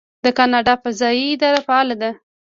د کاناډا فضایی اداره فعاله ده.